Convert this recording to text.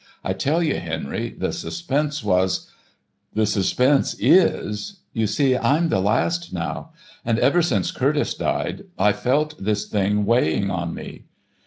I tell you, Henry, the suspense was, ... the suspense is ... You see I'm the last now, and ever since Curtice died, I've felt this thing weighing on me.